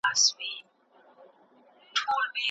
ته مور، وطن او